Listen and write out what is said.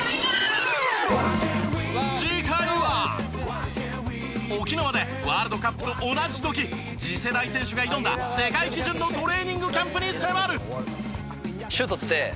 次回は沖縄でワールドカップと同じ時次世代選手が挑んだ世界基準のトレーニングキャンプに迫る！